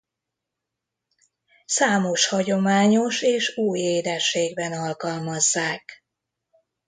Számos hagyományos és új édességben alkalmazzák.